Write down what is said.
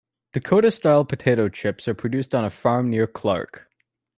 Dakota Style potato chips are produced on a farm near Clark.